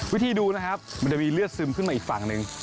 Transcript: วิธีดูนะครับมันจะมีเลือดซึมขึ้นมาอีกฝั่งหนึ่ง